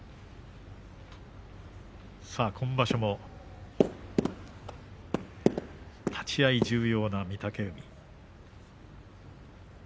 今場所も立ち合い重要な御嶽海。